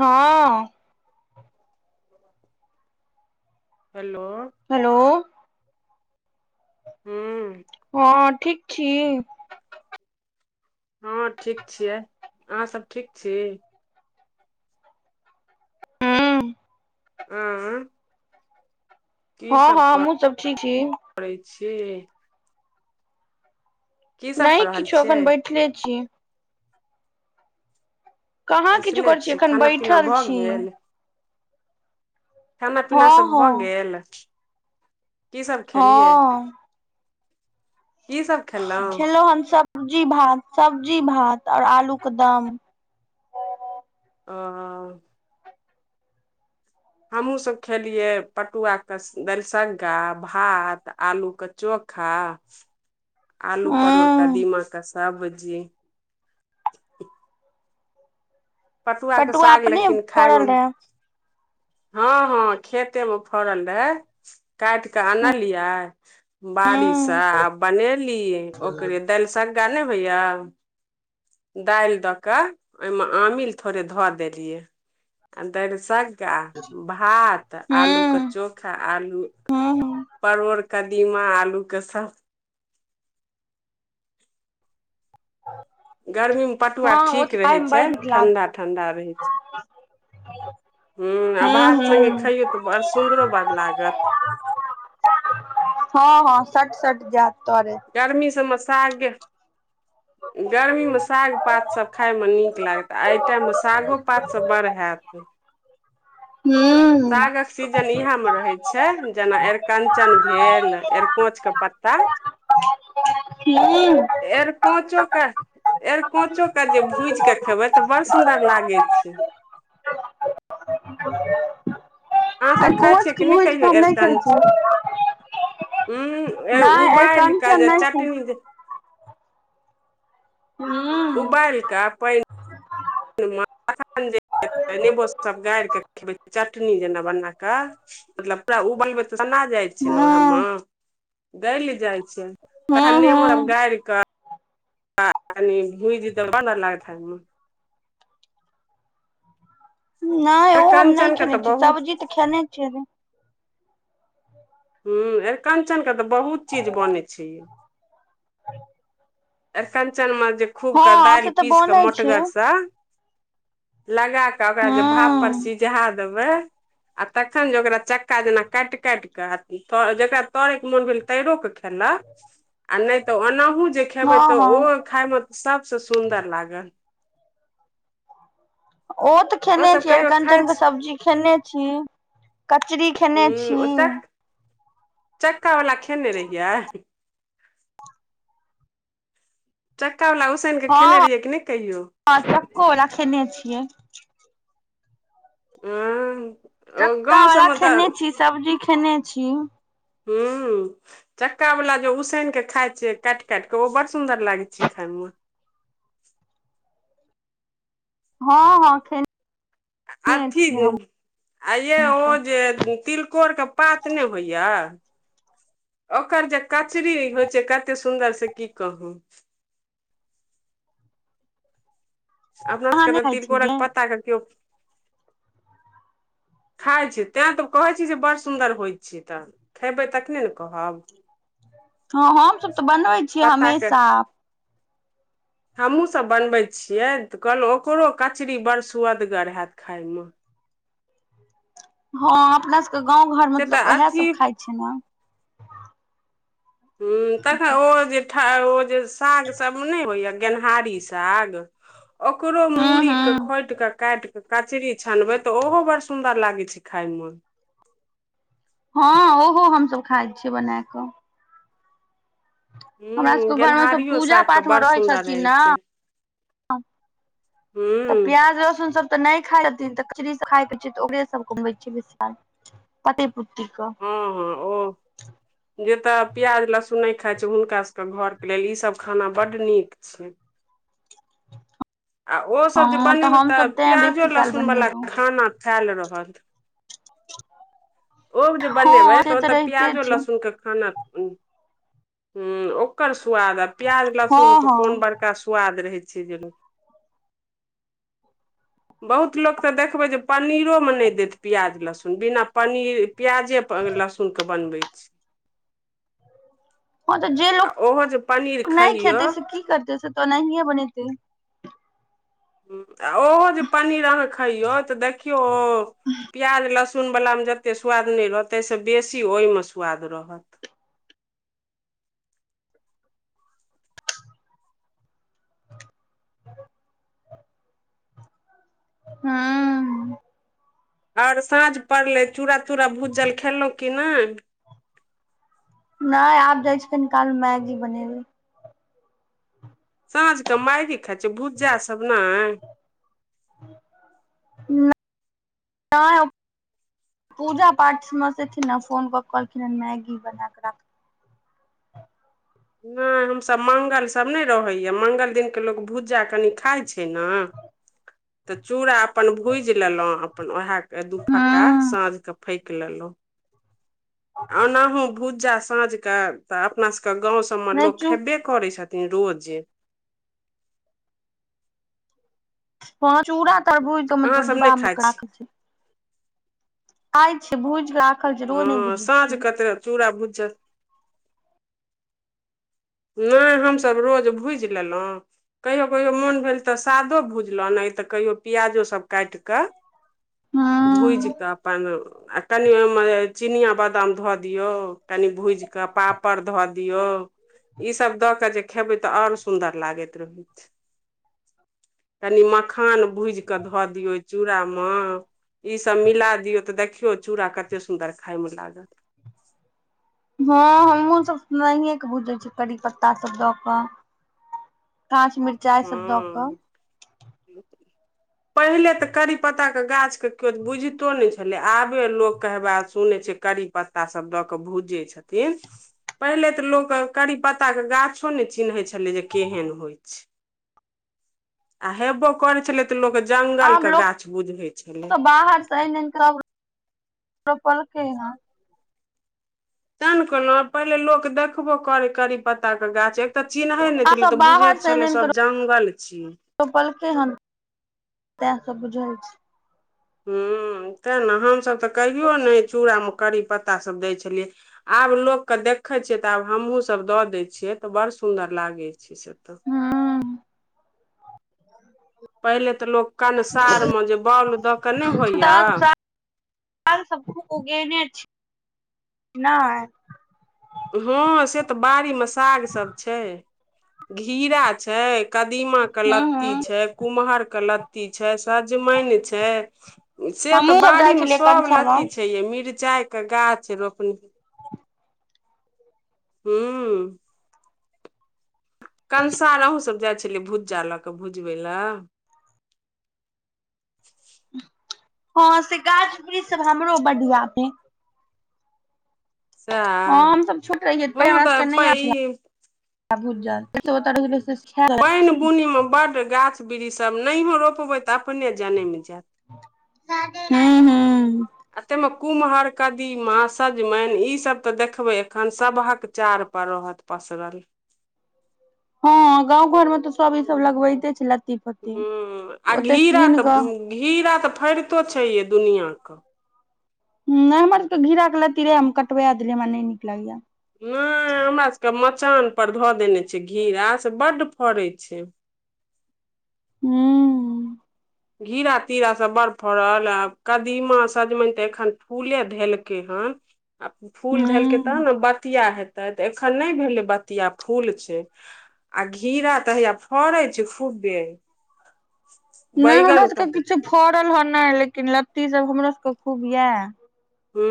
हँ। Hello! Hello! हूँ हँ ठीक छी हँ ठीक छियै अहाँ सब ठीक छी हँ आं हँ हँ हमहुँ सब ठीक छी करै छि की सब कऽ नहि रहल किछो एखन छियै बैठले छी कहाँ किछो बैसले करै छी एखन खाना पीना बैठल भऽ छी गेल खाना पीना हँ सब भऽ हँ गेल की सब खेलियै हँ की सब खेलहुँ खेलौ हम सब्जी भात सब्जी भात आओर आलूके दम ओ हमहूँसभ खेलियै पटुआके दलिसगा भात आलूके चोखा आलू परोर हूँ कदीमा क सबजी के पटुआ साग अपने लेकिन खाय फड़ल मे रहै हँ हँ खेते मे फड़ल रहे काटि क आनलियै बारी सा हूँ आ बनेली ओकरे दलिसग्गा ने होइया दालि दऽ कऽ ओहिमे आमिल थोड़े धऽ देलियै आ दालि स गा भात आलू क चो खा आलू हूँ परोड़ कदीमा आलू के सब गरमीमे पटुआ हँ ओ ठीक तऽ खाय रहै मे छै बड़ नीक लागल ठंढा ठंढा रहै छै हूँ आ हूं भात हूं संगे खइयो तऽ बड़ सुन्दरो बड़ लागत हँ हँ सठ सठ जैत तरे गर्मी सबमे सागे गर्मी मे साग पात सब खाय मे नीक लागत आ अइ टाइम मे सागो पात सब बड़ हैत हूँ सागक सीजन इएहमे रहै छै जेना अरिकञ्चन भेल अरिकोचके पत्ता ह [unintelligible] एरकोचो क एरकोचो के जे भूजि के खेबै तऽ बड़ सुंदर लागै छै। हूं [inaudible] अहाँ सब खाय कोच छियै कि के नहि भुज कहियो के हम नहि खाइ एरकंच छियै उं ए नहि उबाएल क अरिकंचन जे नहि खाइ चाटनी जे हूँ उबाल कऽ पान [inaudible] नेबो सब गारि क चटनी जेना बना क मतलब पूरा उबलबे त [unintelligible] सना जाय छै ने ओएह हँ मे तखन हूँ नेबो हम हूँ गारिक [unintelligible] भुजतै ब लागतमे नहि ओ हम नहि अरिकंचन के तऽ खेने छीयै बहुत सब्जी तऽ खेने छियैे ह्म्म अरिकञ्चनके तऽ बहुत चीज बनै छै एरकंचन में जे खूब के हँ दालि से तऽ पीस के बनै छै मोटगर हूँ से लगा कऽ ओकरा जे भाप पर हँ सिझा देबै आ तखन जे ओकरा चक्का जेना काटि काटि कऽ आ त जेकरा तरैके मोन भेल तैरो कऽ खेलक, आ नहि तऽ ओनाहु जे खेबै तऽ हँ ओ खाय मऽ सबसऽ सुंन्दर लागल। ओ तऽ खेने ओसभ छी, कहियो खाइ अरिकंचन के छी सब्जी खेने छी, कचरी खेने हूँ ओ छी। चक चक्का वला खेने रहियै। चक्काबला उसैनक कऽ खेने हँ रहियै कि नहि कहियो। हँ चक्को बला खेने छियै। उमं चक्का वला खेने छी, सब्जी खेने छी। हूं चक्का बला जे उसैन के खायइ छियै, काटि-काटि के ओ बड़ सुंदर लागे छै खाय म। हँ हँ खेन- अथी जे आ यै ओ सब जे तिलकोरके पात नहि होइयऽ। ओकर जे कचरी होइ छै, कते सुन्दर से की कहू। अपना अहाँ सबके नहि तऽ खाइ छलियै तिलकोरक पत्ता कियो खाइ छियै, तैं तऽ कहै छी जे बड़ सुन्दर होइ छै तऽ, खेबै तखने ने कहब। हँ हमसब तऽ बनबै छियै हमेशा। [inaudible] हमहुं सब बनबै छियै, तऽ कहलऊ ओकरो कचरी बड़ स्वदगर हैत खाय मऽ। हँ अपना सबके गाँव घर मऽ से तऽ लोक ओहै अथी सब खाइ छै नऽ। हूं तखन ओ जे ठ ओ जे साग सब मऽ नहि होइया गेनहारी स साग ओकरो हूँ मूड़ी कऽ हूँ खोटि कऽ काटि क कचरी छनबै तऽ ओहो बड़ सुन्दर लागय छै खाय मऽ। हँ ओहो हमसब खाइ छियै बनाए कऽ। हमरा ह सबके घरमे सब गेनहारियो पूजा साग के पाठ मऽ बड़ रहै सुन्दर छथिन नऽ छै तऽ ह प्याज लहसुन सब तऽ नहि खाय छथिन, तऽ कचरी सब खाय के छय, तऽ ओकरे सब होय छय बेसी काल पत्ते पुत्ती कऽ। हँ- हँ ओ जेतऽ प्याज लहसुन नहि खाइ छै, हुनका सबके घरके लेल ईसब खाना बड्ड नीक छै। आ ओ सब जे हँ बनेबै तऽ हमसभ तें प्याजो बेसी काल लहसुन वाला बनेलहुँ खाना फैल रहत। [inaudible] औ जे बनेबै हँ से तऽ ओ तऽ रहिते प्याजो छै लहसुनके खाना हूं ओकर स्वाद आ प्याज हँ लहसुन कऽ हँ कोन बड़ का स्वाद रहै छै जे। बहुत लोक तऽ देखबै जे पनीरो में नहि देत प्याज लहसुन बिना पनी -र प्याजे लहसुन के बनबै छय। हँ तऽ जे लोक आ ओहो जे पनीर नहि खइयौ खेतै से की करतै से तऽ ओनाहिए बनेतै। ओहो जे पनीर अहाँ खइयौ तऽ देखियौ ओ प्याज लहसुन बलामे जते स्वाद नहि रहत, तहिसँ बेसी ओय ऽम स्वाद रहत। [inaudible] हँ आऔर साँझ पड़लै चूरा- तूरा भूजल खेलहुं की नहि। नहि आब जाय छी कनि काल मैगी बनेेबै। साँझ क मैइगी खाइ छी, भुज्जा सब नए। हूं न नअय। तम पूजा पाठ मे सेथिन न फोन पर कहलखिनए मैगी बना क राख। नहि हम सभ मंगल सब नहि रहैया, मंगल दिन के लोक भुज्जा कनि खाइ छै ना। तऽ चूरा अप्पन भुजि लेलहुँ अप्पन उएह के दु फक्का हूं साँझ क फैकि लेलहुँ। अनाहु भुज्जा साँझ क तऽ अपना सबके गाँव सबमे नहि लोक चू खेबै करै छथिन रोजे। हॅ चूडा तर भुइज क ऐमे थोर अहाँसभ नहि डीबा में खाइ क छी राखल छै। आइ छै भुइझ क रा हँ साँझ कतय चूरा भुजल नहि हम सभ रोज भुजि लेलहुँ कहियो- कहियो मोन भेल तऽ सादो भुजलहुॅ, नहि तऽ कहियो प्याजो सब काटि कऽ [inaudible] हँ भुजि कऽ अप्पन आ तनि ओहिमे चिनआ बादाम धऽ दियौ, तनि भूजि कऽ पापड़ धऽ दियौ ई सब द के जे खेबै तऽ और सुंदर लागैत रहैत छै, कनि म खान भूजि कऽ धऽ दियौ ओहि चूडा मे ई सभ मिला दियौ तऽ देखियौ चूड़ा कतै सुन्दर खायमे लागत। हँ हमहूँ सभ नहिए के बुझै छीयै करी पत्ता सभ दऽ कऽ। काँच मिर्चाइ हँ सब दऽ कऽ [inaudible] पहिले तऽ करी पत्ताक के गाछ के केओ बुझितो नहि छलय, आबे लोक कहबा सुनै छै करी पत्ता सब दऽ कऽ भूजै छथिन। पहिले त लोक अ करी पत्ता के गाछो नए चिन्हे छले जे केहन होइ छै। आ हेबो करै छलै तऽ लोक जंगल आब के लोक गाछ बुझैय छले। सब बाहर स अइन- अइन क रोपल के इहँ। तए ने कहलहुँ है, पहिले लोक देखबो करै करी पत्ता के गाछ तऽ चिन्है ने आब छलिय, सब तऽ बुझेत छले सब जगल छीयै। रोपलके हन, तैं सब बुझै छै। हुं तै न हमसभ तऽ कहियो नहि, चूड़ामे करी पत्तासभ दैय छलियै। आब लोकके देखैय छियै तऽ आब हमहूँसभ दऽ दैत छियै, तऽ बड़ सुन्दर लागै छै। छे सततब। हूं पहिले तऽ लोक कंसार मे जे बॉउल दऽ कऽ नहि होइए। अल सब गुरूपो उगेने छी, नहि हँ से तऽ बाड़ी मे सागसभ छैय। घीरा छै, कदीमा के हूं लत्ती हूं छै, कुम्हर के लत्ती छै, सजमैन छै से हमहुँ तऽ सब बाड़ी जाइ मे छलियै सब कंसर मे लत्ती छै यै, मिरचाई के गाछ रोपने हू कंसार अहूँ सब जाइ छलियै भुज्जा लऽ क भुजबै लए हँ से गाछ वृक्ष सब हमरो बढ़िया छै। हँ सएह हमसभ छोट रहियै, ते हँ हमरा सभके नहि तऽ आबे छले ई आ भुजल त ख [unintelligible] पानि- बुनीमे बड्ड गाछ वृक्ष सब, नहियो रोपबै तऽ अपने जनमि जायत। ले [unintelligible] आ ताहिमे कुम्हर, कदीमा, सजमनि ईसभ तऽ, देखबै एखन सभक चारपर रहत। पचराल। हँ,, गाँव घर में तऽ सब ई सब लगबैते छै, ल हुँ, आ घेरा तऽ, कऽ घेरा तऽ फड़ितो छै ये दुनिआँके। हमर त घेराके लत्ती रहै, हम कटबा देलियै, हमरा नहि नीक लगैया। नहि हमरा सबके मचान पर धऽ देने छियै घेरा, से बड्ड फड़ैत छै। हूँ। घेरा -तीरा सभ बड़ फड़ल, आ कदीमा, सजमनि के एखन फूले धेलकै हन। आ फूल धेलकै हूं तहन ने बतिया हेतै, तऽ एखन नहि भेलै बतिया फूल छै। आ घेरा तऽ हैया फड़े छै, खूब बे। नहि हमरा सबके किछु फड़ल हे नहि, लेकिन लत्ती सब हमरो सबके खूब यए। हू।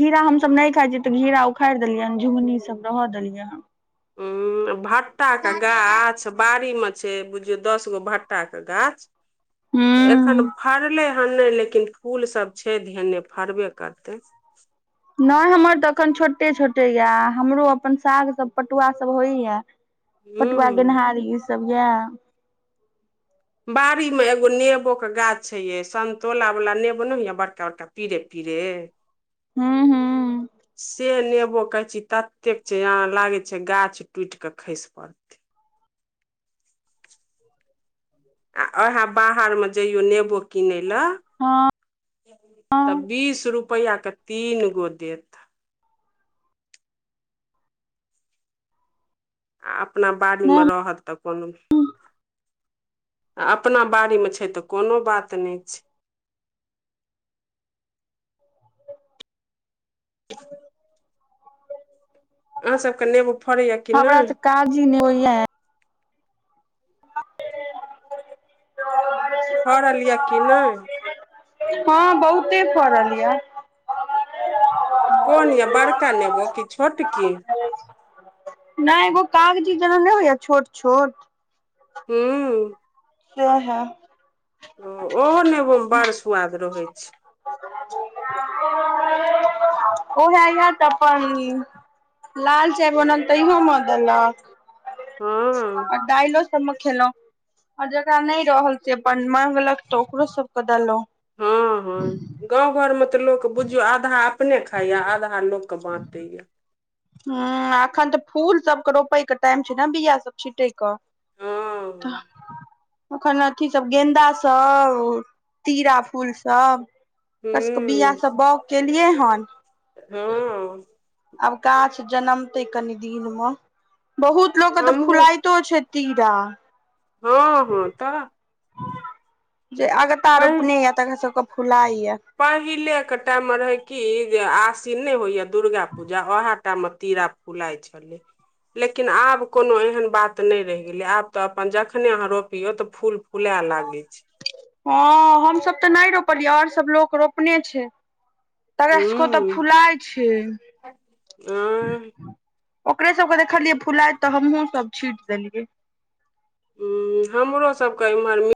घेरा हमसभ नहि खाइ छियै तऽ, घेरा उखारि देलियैन, झुगनी सब रहऽ देलियै हन। उ, भट्टा के गाछ बाड़ी मे से बुझियो दस गो भटा के गाछ, एखन हूँ फरलै एन नहि, लेकिन फूल सब छै धने, फड़बे करतै। नहि हमर तऽ एखन छोटे- छोटे या, हमरो अपन साग सब पटुआ सब होइया। पटुआ, हूँ गेनहारी, ईसभ यए। बाड़ी में एगो नेबो के गाछ छै ये, संतोला वाला नेबो न होइयै बड़का -बड़का। पीरे -पीरे हूँ हूँ से नेबो कहै छी। तत कतेक छै, या लागे छै गाछ टूट के खस पड़ते। ह। आ उएहे बाहर मे जइयो नेबो किनय लए। हँ तऽ, बीस रुपआ के तीन गो देत। आ अपना बाड़ीमे नहि रहत तऽ, कोनो आ अपना बारी मे छै तऽ, कोनो बात नहि छै। [inaudible] अहाँसभके नेबो फड़ैया कि हमरा नहि? तऽ काजी नहि होहि हय। त [unintelligible] फरल यऽ कि नहि? हँ बहुते फड़ल यए कोन य बड़का नेगो की छोटकी? नहि एगो कागजी जेना नहि होइया, छोट- छोट। हूँ। उहे, हँ। ओ ओहो ने बड़ सुआाद रहै छै। को [unintelligible] उह यए तऽ, अपन लाल चाय बनल तहियोमे देलक। हँ ओ दाललो [unintelligible] खेलों आर जेकरा नै रहल, से अपन मांगलक तऽ ओकरो सब के देलहुं। हँ-हँ गाँव घर में तऽ लोक बुझियौ आधा अपने खाइया, आधा लोक के बाँटैया। हँ एखन तऽ फूल सबके रोपयके टाइम छै ने, बिया सब छिटय कऽ। हँ हूँ तऽ ओखन अथी सब, गेन्दा सब, तीरा फूल सब। ओकर सबके बिआ हँ सब बाओग केलियैहन हँ आब गाछ जनमतै कनि दिन मे, बहुत लोको के तऽ हमहूँ फुलात तो छैय तीरा। हँ हँ तऽ। जे अगता पहि रोपने यऽ तकर सबके फुलाइया। पहिलेके टाइममे रहै कि जे आसिन नै होइए दुर्गा पूजा उएह टा मे तीरा फुलाय छेलै। लेकिन आब कोनो एहन बात नै रहि गेलै, आब त अपन जखने अहाँ रोपियो त फूल फूला लागै छै। हँ हमसब तऽ नैय रोपलियै और सब लोक रोपने छै। तकरा सबके तऽ हूँ फुलाइ छैय। आँय ओकरे सबके देखलियै फुलाइत तऽ हमहुँ सब छींट देलियै। हुम्म, हमरो सबके इम्हर मे